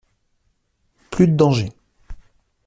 Plus de dangers.